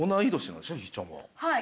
はい。